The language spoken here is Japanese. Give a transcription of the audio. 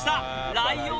ライオン